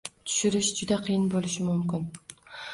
tushirish juda qiyin bo'lishi mumkin